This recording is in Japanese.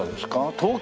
東京。